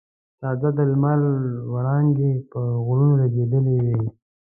تازه د لمر وړانګې پر غرونو لګېدلې وې.